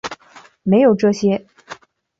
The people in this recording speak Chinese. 没有这些